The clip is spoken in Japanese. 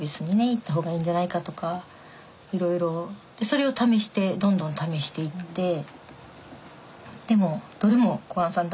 行った方がいいんじゃないかとかいろいろそれを試してどんどん試していってでもどれも小雁さん